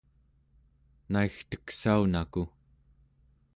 naigteksaunaku!